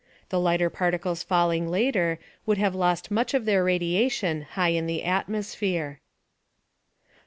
The lighter particles falling later would have lost much of their radiation high in the atmosphere.